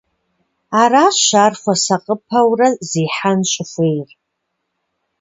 Аращ ар хуэсакъыпэурэ зехьэн щӏыхуейр.